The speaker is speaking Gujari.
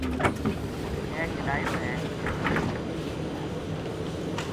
کے چلایو ہے کِ